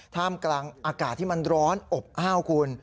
ท่ามกลางอากาศที่มันร้อนอบอ้าวคุณ